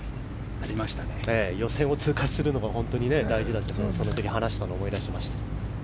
予選を通過するのが本当に大事だとその時に話したのを思い出しました。